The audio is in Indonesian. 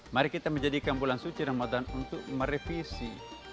mari kita menjadikan bulan suci ramadan untuk merevisi